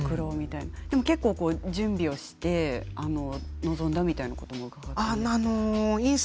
結構準備をして臨んだみたいなことを伺っています。